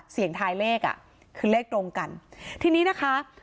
เสียงทายเลขอ่ะคือเลขตรงกันทีนี้นะคะ